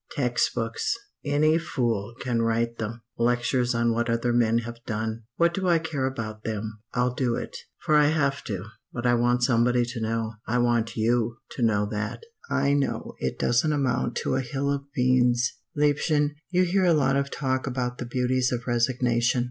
"Text books any fool can write them! Lectures on what other men have done what do I care about them? I'll do it, for I have to, but I want somebody to know I want you to know that I know it doesn't amount to a hill of beans! "Liebchen, you hear a lot of talk about the beauties of resignation.